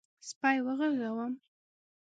_سپی وغږوم؟